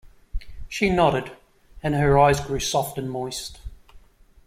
She nodded, and her eyes grew soft and moist.